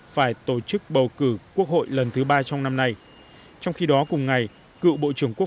phải tổ chức bầu cử quốc hội lần thứ ba trong năm nay trong khi đó cùng ngày cựu bộ trưởng quốc